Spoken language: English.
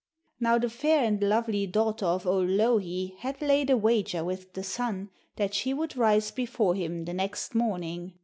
Now the fair and lovely daughter of old Louhi had laid a wager with the Sun, that she would rise before him the next morning.